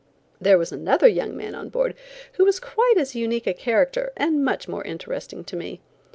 There was another young man on board who was quite as unique a character and much more interesting to me.